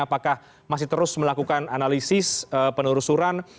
apakah masih terus melakukan analisis penelusuran